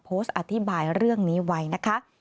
โพสต์อธิบายเรื่องนี้ไว้นะคะ